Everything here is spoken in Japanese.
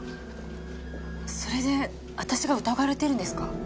それで私が疑われてるんですか？